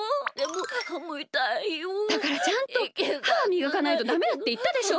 だからちゃんとははみがかないとダメだっていったでしょ！